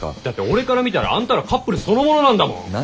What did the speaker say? だって俺から見たらあんたらカップルそのものなんだもん。